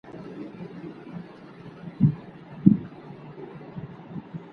حقوقو پوهنځۍ بې له ځنډه نه پیلیږي.